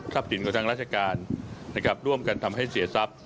ทรัพย์ตินกับทางราชการร่วมกันทำให้เสียทรัพย์